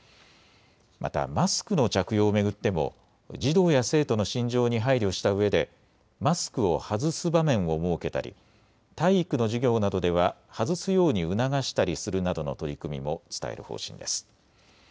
またマスクの着用を巡っても児童や生徒の心情に配慮したうえでマスクを外す場面を設けたり体育の授業などでは外すように促したりするなどの取り組みも伝える方針です。